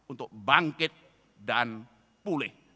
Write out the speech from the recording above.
untuk bangkit dan pulih